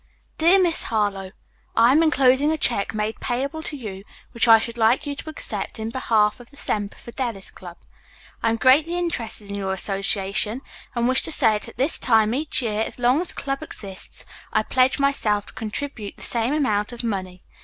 "MY DEAR MISS HARLOWE: "I am enclosing a check made payable to you, which I should like you to accept in behalf of the Semper Fidelis Club. I am greatly interested in your association and wish to say that at this time each year as long as the club exists I pledge myself to contribute the same amount of money.